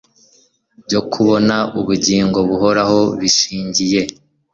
byo kubona ubugingo buhoraho bishingiye